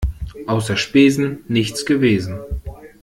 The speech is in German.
Außer Spesen nichts gewesen.